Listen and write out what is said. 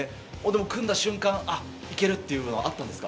組んだ瞬間、いけるっていうのはあったんですか？